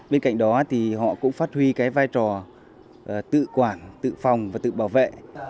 bên cạnh đó thì họ cũng phát huy cái vai trò tự quản tự phòng và tự bảo vệ